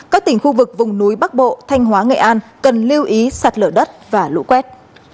các tỉnh khu vực vùng núi bắc bộ thanh hóa nghệ an cần lưu ý sạt lở đất và lũ quét